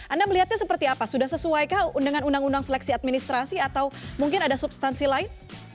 anda melihatnya seperti apa sudah sesuaikah dengan undang undang seleksi administrasi atau mungkin ada substansi lain